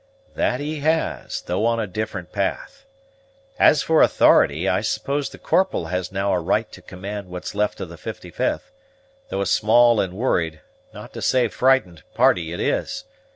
"That he has, though on a different path. As for authority, I suppose the Corporal has now a right to command what's left of the 55th; though a small and worried, not to say frightened, party it is.